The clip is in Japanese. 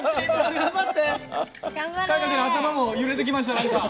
彩加ちゃんの頭も揺れてきました何か。